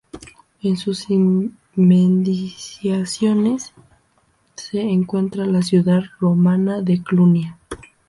En sus inmediaciones se encuentra la ciudad romana de Clunia.